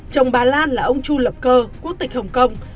chồng bà lan là ông chu lập cơ quốc tịch hồng kông